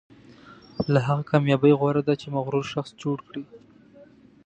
له هغه کامیابۍ غوره ده چې مغرور شخص جوړ کړي.